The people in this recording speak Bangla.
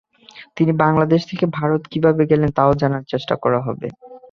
তিনি বাংলাদেশ থেকে ভারত কীভাবে গেলেন, তাও জানার চেষ্টা করা হবে।